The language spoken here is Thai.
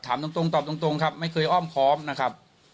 ถามตรงตรงตอบตรงตรงครับไม่เคยอ้อมคอมนะครับ